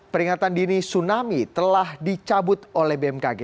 peringatan dini tsunami telah dicabut oleh bmkg